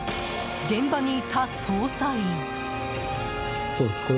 現場にいた捜査員。